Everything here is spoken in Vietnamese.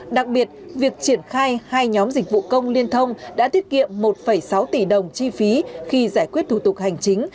đặc biệt việc triển khai hai nhóm dịch vụ công liên thông đã tiết kiệm một sáu tỷ đồng chi phí khi giải quyết thủ tục hành chính